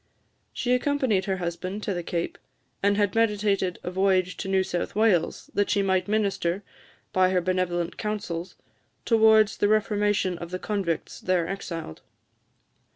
She accompanied her husband to the Cape, and had meditated a voyage to New South Wales, that she might minister, by her benevolent counsels, towards the reformation of the convicts there exiled.